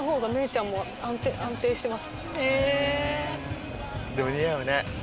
ちゃんも安定してます。